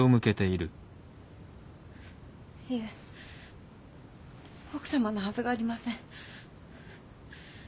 いえ奥様のはずがありません。